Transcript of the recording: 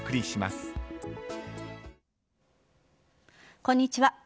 こんにちは。